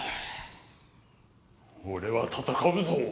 俺は戦うぞ。